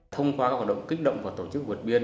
thông qua các hoạt động kích động và tổ chức vượt biên